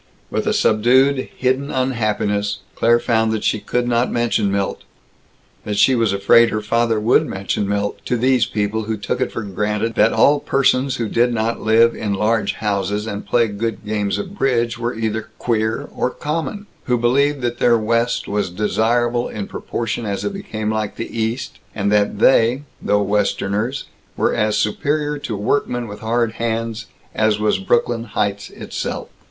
With a subdued, hidden unhappiness, Claire found that she could not mention Milt that she was afraid her father would mention Milt to these people who took it for granted that all persons who did not live in large houses and play good games of bridge were either "queer" or "common"; who believed that their West was desirable in proportion as it became like the East; and that they, though Westerners, were as superior to workmen with hard hands as was Brooklyn Heights itself.